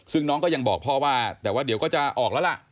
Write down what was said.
ซึ่งน้องก็ยังบอกพ่อว่าแต่ว่าเดี๋ยวก็จะออกแล้วล่ะ